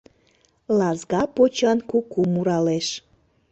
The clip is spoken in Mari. Лазга почан куку муралеш.